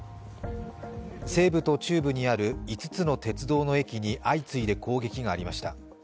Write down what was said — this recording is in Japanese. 西部と中部にある５つの鉄道の駅に相次いで攻撃がありました。